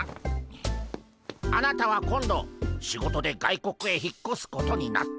あなたは今度仕事で外国へ引っこすことになった。